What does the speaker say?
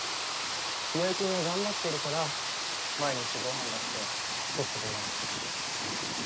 清居君が頑張ってるから毎日ご飯だって作ってるんだろうし。